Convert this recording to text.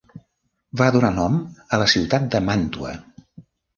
Va donar nom a la ciutat de Màntua.